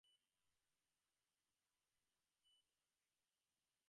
আর তাতে তোমার কোনো ঠাই নেই।